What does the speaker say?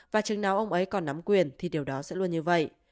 và chừng nào ông ấy còn nắm quyền thì điều đó sẽ luôn như vậy